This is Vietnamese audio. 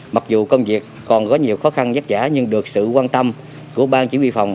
mặc dù công việc còn có nhiều khó khăn vất vả nhưng được sự quan tâm của bang chỉ huy phòng